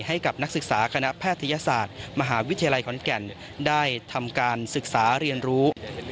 ให้กับนักศึกษาคณะแพทยศาสตร์มหาวิทยาลัยขอนแก่นได้ทำการศึกษาเรียนรู้